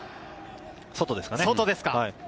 外ですね。